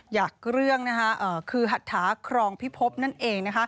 อยากเรื่องคือหัตถาครองพิพบนั่นเอง